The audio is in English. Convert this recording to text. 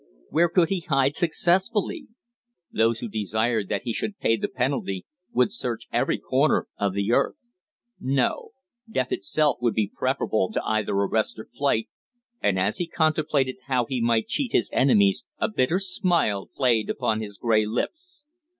Where could he hide successfully? Those who desired that he should pay the penalty would search every corner of the earth. No. Death itself would be preferable to either arrest or flight, and as he contemplated how he might cheat his enemies a bitter smile played upon his grey lips.